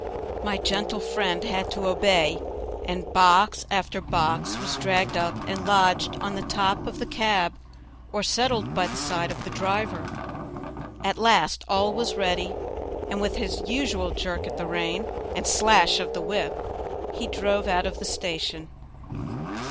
My gentle friend had to obey, and box after box was dragged up and lodged on the top of the cab or settled by the side of the driver. At last all was ready, and with his usual jerk at the rein and slash of the whip he drove out of the station.